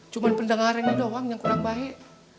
cuma pendengarannya doang yang kurang baik